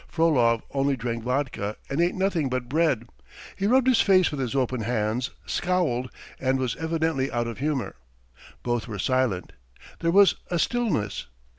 Frolov only drank vodka and ate nothing but bread. He rubbed his face with his open hands, scowled, and was evidently out of humour. Both were silent. There was a stillness.